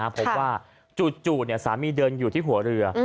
พบว่าจู่สามีเดินอยู่ที่หัวเรือ